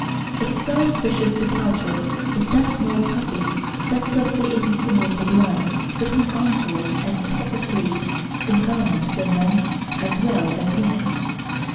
Its first vicious departure is that small puffy, senselessly insinuated line between arm hole and top of sleeve in garments for men as well as women.